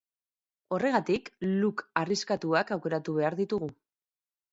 Horregatik, look arriskatuak aukeratu behar ditugu.